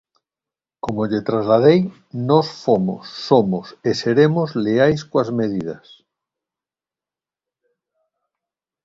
Como lle trasladei, nós fomos, somos e seremos leais coas medidas.